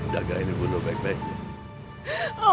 jagain dulu bag bagnya